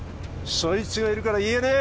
そいつがいるから言えねえ！